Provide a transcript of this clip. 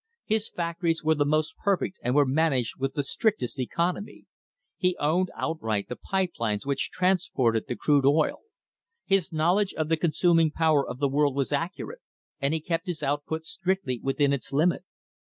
His factories were the most perfect and were managed with the strictest economy. He owned outright the pipe lines which transported the crude oil. His knowledge of the consuming power of the world was accurate, and he kept his output strictly within its limit.